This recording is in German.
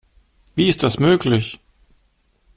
Wie ist das möglich?